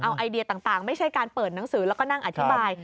ไอเดียต่างไม่ใช่การเปิดหนังสือแล้วก็นั่งอธิบาย